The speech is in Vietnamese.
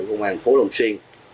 công an phố long xuyên